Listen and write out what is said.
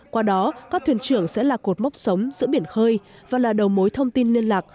qua đó các thuyền trưởng sẽ là cột mốc sống giữa biển khơi và là đầu mối thông tin liên lạc